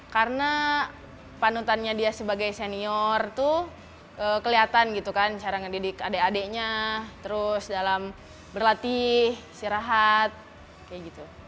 karena panutannya dia sebagai senior tuh kelihatan gitu kan cara ngedidik adik adiknya terus dalam berlatih istirahat kayak gitu